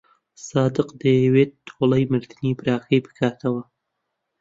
سادق دەیەوێت تۆڵەی مردنی براکەی بکاتەوە.